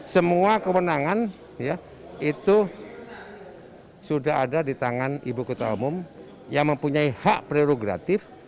semua kewenangan itu sudah ada di tangan ibu kota umum yang mempunyai hak prerogatif